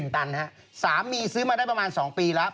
ตันฮะสามีซื้อมาได้ประมาณ๒ปีแล้ว